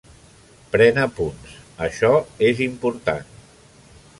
Pren apunts; això és important.